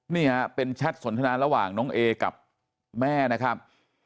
นี่ฮะเป็นแชทสนทนาระหว่างน้องเอกับแม่นะครับ